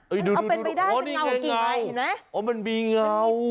เอ่ยดูเอาเป็นไปได้อ๋อนี่ไงเงานี่ไหมอ๋อมันมีเงา